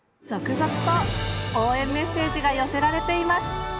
続々と応援メッセージが寄せられています。